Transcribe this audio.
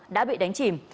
đã bị đánh chìm